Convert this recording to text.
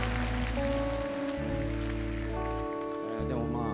でもまあ。